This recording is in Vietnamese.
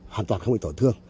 hoàn toàn không bị tổn thương